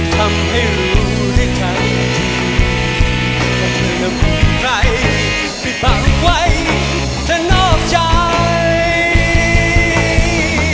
ทำให้รู้ได้กันถ้าเธอน้ำมือใครมีฝังไว้แต่นอกใจ